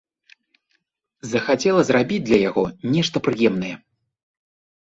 Захацела зрабіць для яго нешта прыемнае.